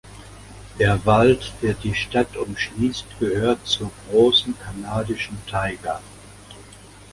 Der Wald, der die Stadt umschließt gehört zur großen kanadischen Taiga.